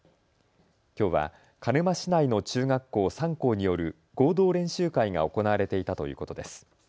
きょうは鹿沼市内の中学校３校による合同練習会が行われていたということです。